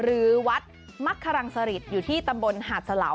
หรือวัดมักขรังสริษฐ์อยู่ที่ตำบลหาดสลาว